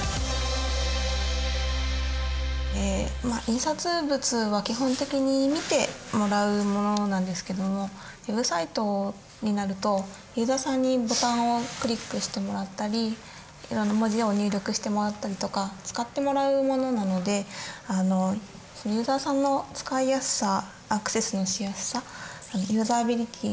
印刷物は基本的に見てもらうものなんですけどもＷｅｂサイトになるとユーザーさんにボタンをクリックしてもらったり文字を入力してもらったりとか使ってもらうものなのでそのユーザーさんの使いやすさアクセスのしやすさユーザビリティ